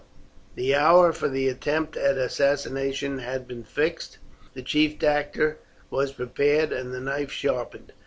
The hour for the attempt at assassination had been fixed, the chief actor was prepared and the knife sharpened.